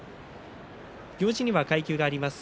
行司には階級があります。